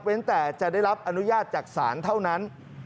แต่จะได้รับอนุญาตจากศาลเท่านั้น